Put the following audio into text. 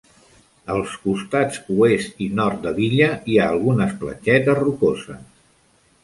Als costats oest i nord de l'illa hi ha algunes platgetes rocoses.